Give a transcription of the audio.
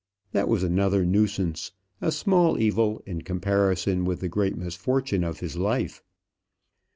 That was another nuisance, a small evil in comparison with the great misfortune of his life.